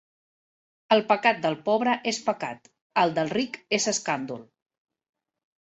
El pecat del pobre és pecat, el del ric és escàndol.